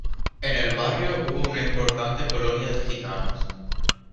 En el barrio hubo una importante colonia de gitanos.